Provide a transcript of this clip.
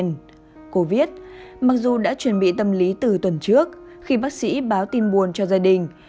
nên cô viết mặc dù đã chuẩn bị tâm lý từ tuần trước khi bác sĩ báo tin buồn cho gia đình